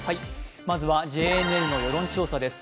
まずはＪＮＮの世論調査です。